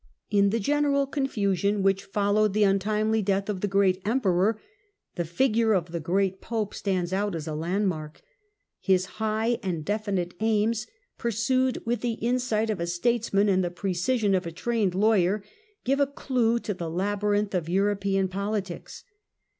In the general confusion which followed the untimely death of the great Emperor, the figure of the great Pope stands out as a landmark : his high and definite aims, pursued with the insight of a statesman and the precision of a trained lawyer, give a clue to the labyrinth of European politics.